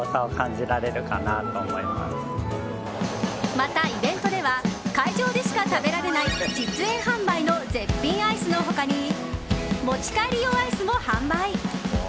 また、イベントでは会場でしか食べられない実演販売の絶品アイスの他に持ち帰り用アイスも販売。